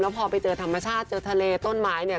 แล้วพอไปเจอธรรมชาติเจอทะเลต้นไม้